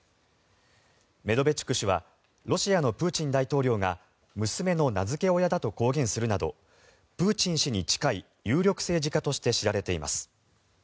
メドベチュク氏はロシアのプーチン大統領が娘の名付け親だと公言するなどプーチン氏に近い有力政治家として知られています。